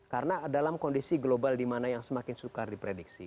karena dalam kondisi global dimana yang semakin sukar diprediksi